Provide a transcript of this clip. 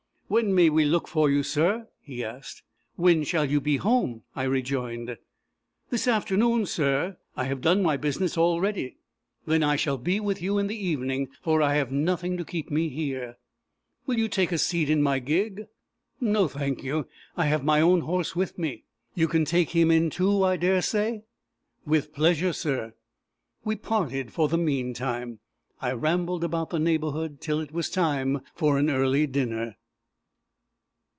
"When may we look for you, sir?" he asked. "When shall you be home?" I rejoined. "This afternoon, sir. I have done my business already." "Then I shall be with you in the evening, for I have nothing to keep me here." "Will you take a seat in my gig?" "No, thank you. I have my own horse with me. You can take him in too, I dare say?" "With pleasure, sir." We parted for the meantime. I rambled about the neighbourhood till it was time for an early dinner.